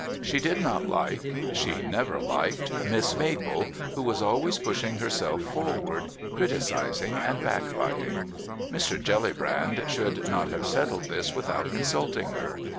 She did not like she never liked Miss Maple, who was always pushing herself forward, criticising and back biting. Mr. Jellybrand should not have settled this without consulting her.